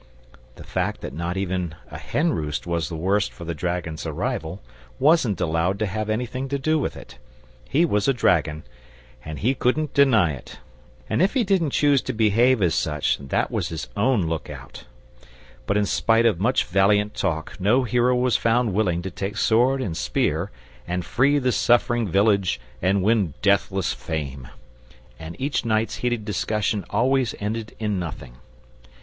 The fact that not even a hen roost was the worse for the dragon's arrival wasn't allowed to have anything to do with it. He was a dragon, and he couldn't deny it, and if he didn't choose to behave as such that was his own lookout. But in spite of much valiant talk no hero was found willing to take sword and spear and free the suffering village and win deathless fame; and each night's heated discussion always ended in nothing.